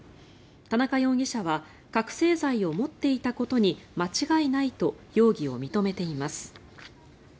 田中容疑者は覚醒剤を持っていたことに間違いないと容疑を認めています。